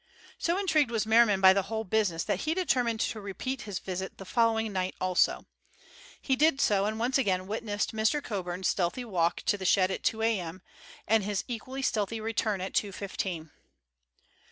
So intrigued was Merriman by the whole business that he determined to repeat his visit the following night also. He did so, and once again witnessed Mr. Coburn's stealthy walk to the shed at two a.m., and his equally stealthy return at two fifteen.